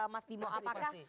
mas bimo apakah